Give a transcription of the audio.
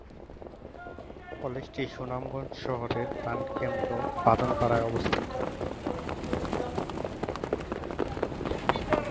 কলেজটি সুনামগঞ্জ শহরের প্রাণকেন্দ্র বাঁধনপাড়ায় অবস্থিত।